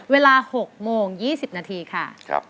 เวลา๖โมง๒๐นาทีค่ะ